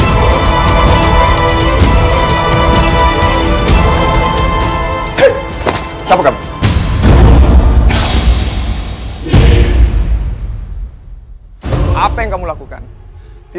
aku harus menggunakan ajem pabuk kasku